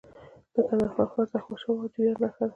د کندهار ښار د احمدشاه بابا د ویاړ نښه ده.